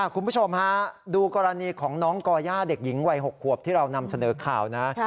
คุณผู้ชมฮะดูกรณีของน้องก่อย่าเด็กหญิงวัย๖ขวบที่เรานำเสนอข่าวนะ